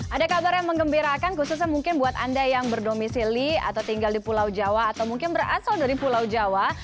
ada kabar yang mengembirakan khususnya mungkin buat anda yang berdomisili atau tinggal di pulau jawa atau mungkin berasal dari pulau jawa